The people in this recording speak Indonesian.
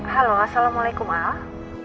halo assalamualaikum ah